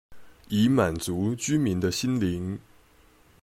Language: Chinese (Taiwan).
以滿足居民的心靈